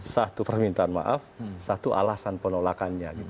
satu permintaan maaf satu alasan penolakannya